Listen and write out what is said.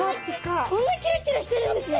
こんなキラキラしてるんですね！